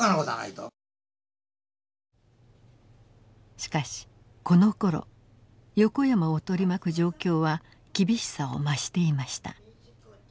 しかしこのころ横山を取り巻く状況は厳しさを増していました。